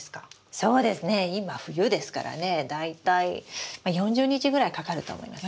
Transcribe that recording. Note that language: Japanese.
そうですね今冬ですからね大体４０日ぐらいかかると思います。